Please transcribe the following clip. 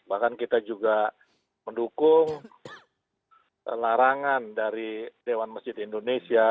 bahkan kita juga mendukung larangan dari dewan masjid indonesia